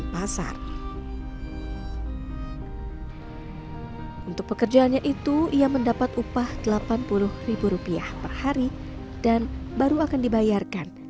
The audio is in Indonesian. pasar untuk pekerjaannya itu ia mendapat upah delapan puluh rupiah per hari dan baru akan dibayarkan